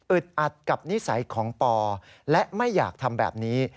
อัดกับนิสัยของปอและไม่อยากทำแบบนี้